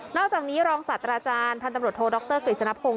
อกจากนี้รองศาสตราจารย์พันธุ์ตำรวจโทดรกฤษณพงศ